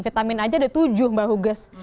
vitamin aja ada tujuh mbak huges